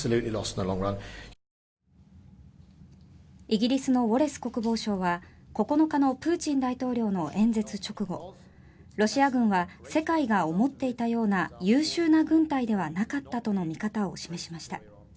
イギリスのウォレス国防相は９日のプーチン大統領の演説直後ロシア軍は世界が思っていたような優秀な軍隊ではなかったとの見方を示しました。